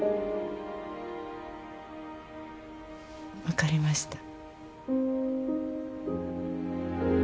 分かりました。